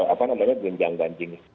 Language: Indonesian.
apa namanya gunjang banjing